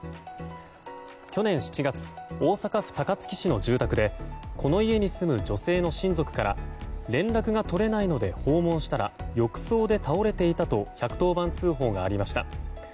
去年７月、大阪府高槻市の住宅でこの家に住む女性の親族から連絡が取れないので訪問したら浴槽で倒れていたと１１０番通報がありました。